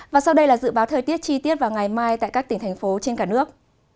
và sau đây là dự báo thời tiết chi tiết vào ngày mai tại các tỉnh thành phố trên cả nước